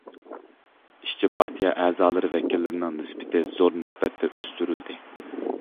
ئىشچى پارتىيە ئەزالىرى ۋەكىللىرىنىڭ نىسبىتى زور نىسبەتتە ئۆستۈرۈلدى.